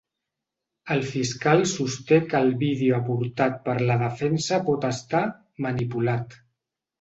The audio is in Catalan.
El fiscal sosté que el vídeo aportat per la defensa pot estar ‘manipulat’.